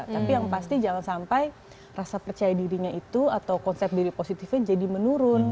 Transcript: tapi yang pasti jangan sampai rasa percaya dirinya itu atau konsep diri positifnya jadi menurun